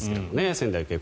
仙台育英。